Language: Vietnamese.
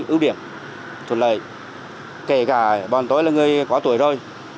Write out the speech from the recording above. ưu điểm thuận lợi kể cả bọn tôi là người có tuổi rồi